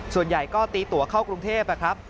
ส่วนใหญ่ก็ตีตัวเข้ากรุงเทพนะครับ